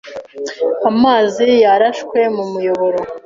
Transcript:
Amazi yarashwe mu muyoboro.